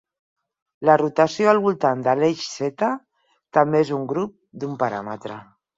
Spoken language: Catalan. La rotació al voltant de l'eix Z també és un grup d'un paràmetre.